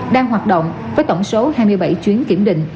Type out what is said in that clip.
đang hoạt động với tổng số hai mươi bảy chuyến kiểm định